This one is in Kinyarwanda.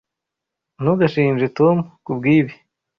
Ntugashinje Tom kubwibi.